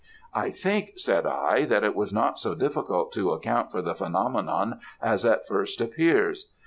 "I think, said I, that it was not so difficult to account for the phenomenon as at first appears.